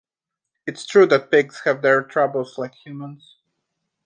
It's true that pigs have their troubles like humans.